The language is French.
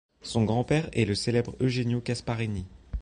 Son grand-père est le célèbre Eugenio Casparini.